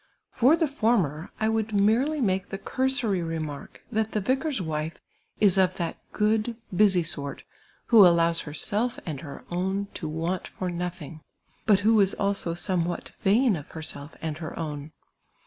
For the former, I would merely make the cursory remark, that the vicar's wife is of that f^ood, busy sort, who allows herself and her own to want for uothinf;, but who is also some what vain of herself and her own.